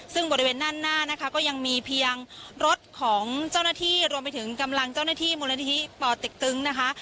ซึ่งบริเวณด้านหน้านะคะก็ยังมีเพียงรถของเจ้าหน้าที่รวมไปถึงกำลังเจ้าหน้าที่มูลนิธิป่อเต็กตึงนะคะ